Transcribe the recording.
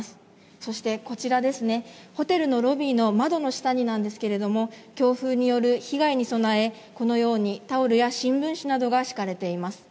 そしてこちらですね、ホテルのロビーの窓の下になんですけれども、強風による被害に備え、このようにタオルや新聞紙などが敷かれています。